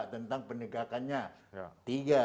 tentang penegakannya tiga